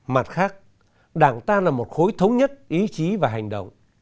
mặt khác đảng ta là một khối thống nhất ý chí và hành động